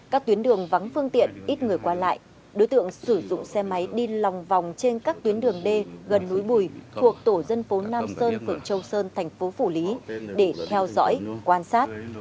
các tuyến đường vắng phương tiện ít người qua lại đối tượng sử dụng xe máy đi lòng vòng trên các tuyến đường d gần núi bùi thuộc tổ dân phố nam sơn phường châu sơn thành phố phủ lý để theo dõi quan sát